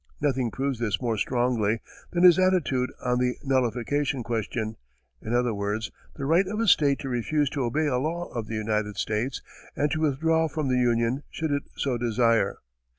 Nothing proves this more strongly than his attitude on the nullification question, in other words, the right of a state to refuse to obey a law of the United States, and to withdraw from the Union, should it so desire.